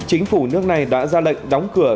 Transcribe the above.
chính phủ nước này đã ra lệnh đóng cửa